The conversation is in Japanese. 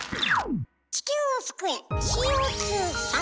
地球を救え！